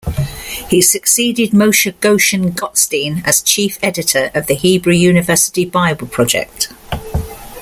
He succeeded Moshe Goshen-Gottstein as chief editor of the Hebrew University Bible Project.